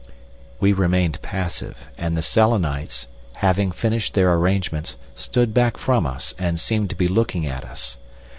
We remained passive, and the Selenites, having finished their arrangements, stood back from us, and seemed to be looking at us.